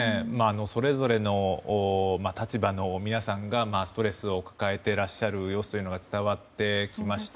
それぞれの立場の皆さんがストレスを抱えていらっしゃる様子というのが伝わってきました。